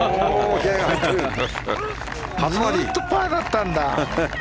ずっとパーだったんだ。